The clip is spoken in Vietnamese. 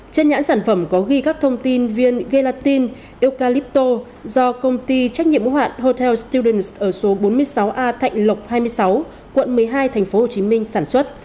trên nhãn sản phẩm có ghi các thông tin viên gelatin eucalypto do công ty trách nhiệm ưu hoạn hotel students ở số bốn mươi sáu a thạnh lộc hai mươi sáu quận một mươi hai tp hcm sản xuất